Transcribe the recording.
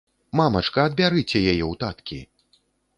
Мамачка, адбярыце яе ў таткі.